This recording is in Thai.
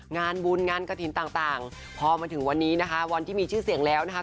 งานบุญงานกระถิ่นต่างพอมาถึงวันนี้นะคะวันที่มีชื่อเสียงแล้วนะคะ